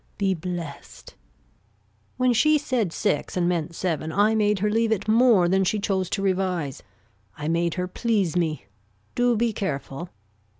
Be blest. When she said six and meant seven I made her leave it more than she chose to revise. I made her please me. Do be careful.